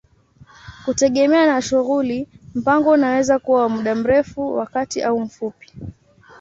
Kutegemea na shughuli, mpango unaweza kuwa wa muda mrefu, wa kati au mfupi.